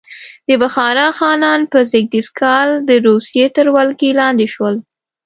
د بخارا خانان په زېږدیز کال د روسیې تر ولکې لاندې شول.